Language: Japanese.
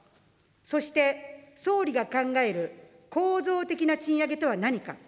そして、総理が考える構造的な賃上げとは何か。